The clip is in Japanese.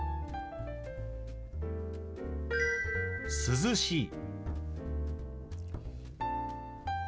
「涼しい」。